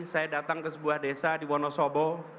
saya datang ke sebuah desa di wonosobo